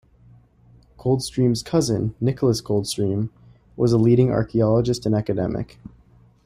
Coldstream's cousin, Nicolas Coldstream, was a leading archaeologist and academic.